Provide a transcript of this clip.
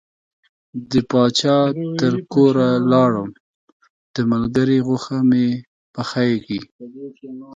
د پاچا تر کوره لاړم د ملګري غوښه مې پخیږي.